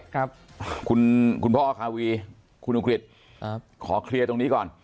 ครับคุณคุณพ่อคาวีคุณอังกฤษครับขอเคลียร์ตรงนี้ก่อน